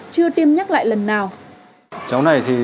chưa tiêm nhắc lại những bệnh viêm não nhật bản